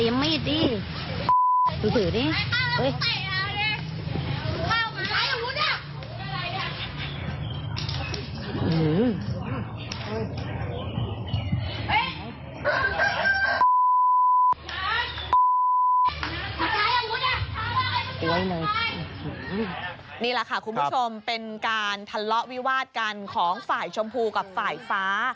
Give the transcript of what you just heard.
นี่แหละค่ะคุณผู้ชมเป็นการทะเลาะวิวาดกันของฝ่ายชมพูกับฝ่ายฟ้า